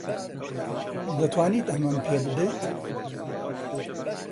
دەتوانیت ئەمەم پێ بدەیت؟